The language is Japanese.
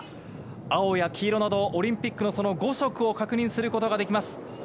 青や黄色など、オリンピックのその５色を確認することができます。